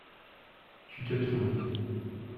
Tu te trompes.